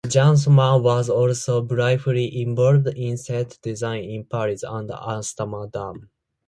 Jansma was also briefly involved in set design in Paris and Amsterdam.